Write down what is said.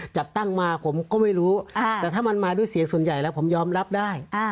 จัดตั้งมาผมก็ไม่รู้แต่ถ้ามันมาด้วยเสียงส่วนใหญ่แล้วผมยอมรับได้